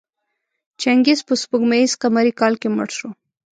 چنګیز په سپوږمیز قمري کال کې مړ شو.